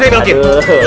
lihat badannya kamu kuchip